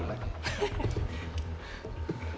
lo makan dulu lah